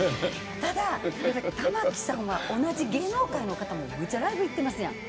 ただ玉置さんは同じ芸能界の方もめっちゃライブ行ってますやん。